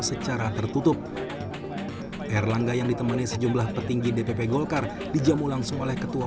secara tertutup erlangga yang ditemani sejumlah petinggi dpp golkar dijamu langsung oleh ketua